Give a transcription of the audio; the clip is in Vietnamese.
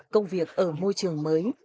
công việc ở môi trường mới